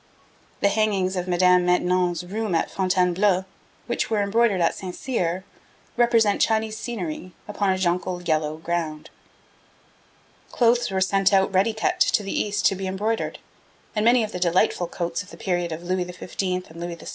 The hangings of Madame de Maintenon's room at Fontainebleau, which were embroidered at St. Cyr, represent Chinese scenery upon a jonquil yellow ground. Clothes were sent out ready cut to the East to be embroidered, and many of the delightful coats of the period of Louis XV. and Louis XVI.